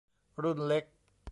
รุ่นเล็ก